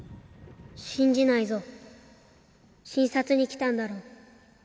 信じないぞ診察に来たんだろ